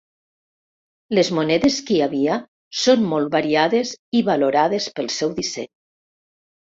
Les monedes que hi havia són molt variades i valorades pel seu disseny.